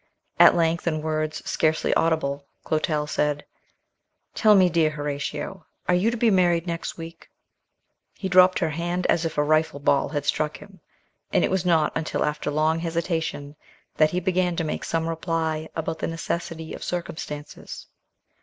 At length, in words scarcely audible, Clotel said: "Tell me, dear Horatio, are you to be married next week?" He dropped her hand as if a rifle ball had struck him; and it was not until after long hesitation, that he began to make some reply about the necessity of circumstances.